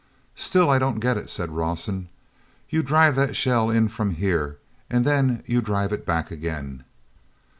"Still I don't get it," said Rawson. "You drive that shell in from here, and then you drive it back again."